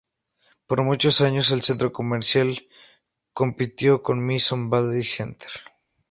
Por muchos años el centro comercial compitió con Mission Valley Center.